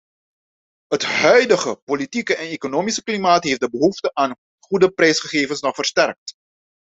Het huidige politieke en economische klimaat heeft de behoefte aan goede prijsgegevens nog versterkt.